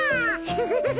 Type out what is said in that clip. フフフヒ。